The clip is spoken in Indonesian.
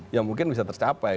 ya mungkin bisa tercapai